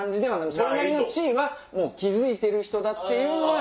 それなりの地位はもう築いてる人だっていうのは。